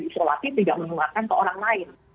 isolasi tidak menularkan ke orang lain